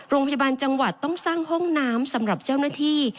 โรงพยาบาลจังหวัดต้องสร้างห้องน้ำสำหรับเจ้าหน้าที่